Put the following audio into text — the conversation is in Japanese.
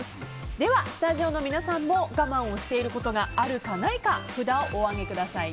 ではスタジオの皆さんも我慢していることがあるかないか札をお上げください。